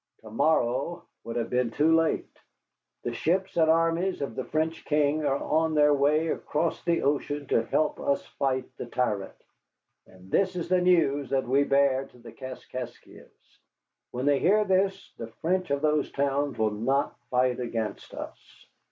To morrow would have been too late. The ships and armies of the French king are on their way across the ocean to help us fight the tyrant, and this is the news that we bear to the Kaskaskias. When they hear this, the French of those towns will not fight against us.